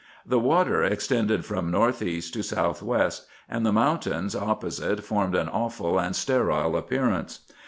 The water ex_ tended from north east to south west, and the mountains oppo site formed an awful and sterile appearance.